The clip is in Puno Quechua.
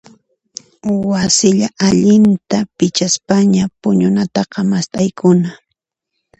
Wasilla allinta pichaspaña puñunataqa mast'aykuna.